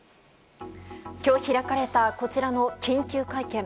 今日開かれたこちらの緊急会見。